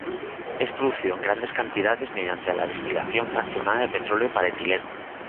Es producido en grandes cantidades mediante la destilación fraccionada de petróleo para etileno.